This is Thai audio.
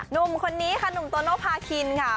หนุ่มคนนี้ค่ะหนุ่มโตโนภาคินค่ะ